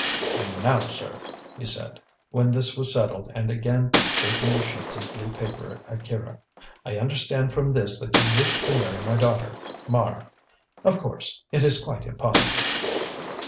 "And now, sir," he said, when this was settled and again shaking the sheets of blue paper at Akira. "I understand from this that you wish to marry my daughter Mara. Of course, it is quite impossible!"